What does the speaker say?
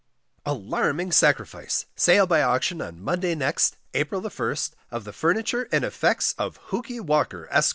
ALARMING SACRIFICE!!! SALE BY AUCTION, ON MONDAY NEXT, APRIL THE FIRST, OF THE FURNITURE & EFFECTS OF HOOKEY WALKER, Esq.